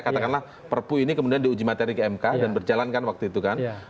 katakanlah perpuh ini kemudian diuji materi ke mk dan berjalankan waktu itu kan